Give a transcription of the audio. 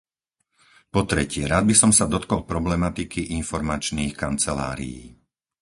Po tretie, rád by som sa dotkol problematiky informačných kancelárií.